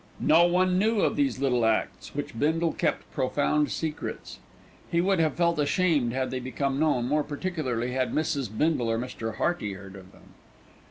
No one knew of these little acts, which Bindle kept profound secrets. He would have felt ashamed had they become known, more particularly had Mrs. Bindle or Mr. Hearty heard of them.